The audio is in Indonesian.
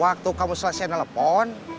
sampe kamu selesayun yang telepon